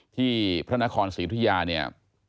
ที่พระนครศรีธุยาเนี่ย